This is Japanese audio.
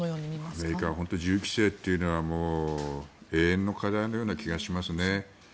アメリカは本当に銃規制というのが永遠の課題のような気がしますね。